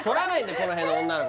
この辺の女の子